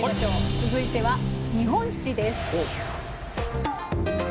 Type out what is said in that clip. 続いては「日本史」です。